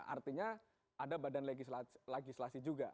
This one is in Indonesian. artinya ada badan legislasi juga